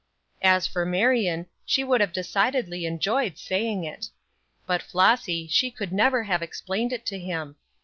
As for Marion, she would have decidedly enjoyed saying it. But Flossy, she could never have explained it to him.